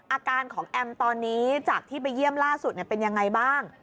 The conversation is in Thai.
อาการของแอมตอนนี้จากที่ไปเยี่ยมล่าสุดเป็นยังไงบ้าง